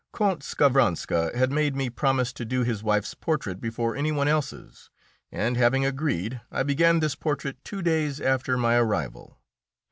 Count Skavronska had made me promise to do his wife's portrait before any one else's, and, having agreed, I began this portrait two days after my arrival.